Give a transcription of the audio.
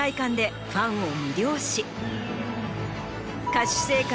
歌手生活